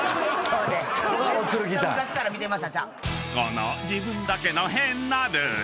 ［この自分だけの変なルール］